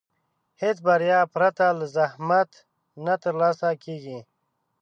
هېڅ بریا پرته له زحمت نه ترلاسه کېږي.